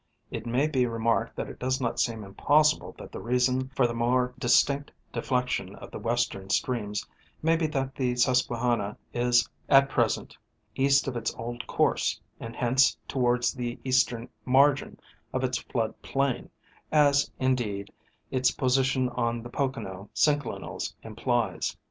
It may be remarked that it does not seem impossible that the reason for the more distinct deflection of the western streams may be that the Susquehanna is at present east of its old course, and hence towards the eastern margin of its flood plain, as, indeed its position on the Pocono synclinals implies.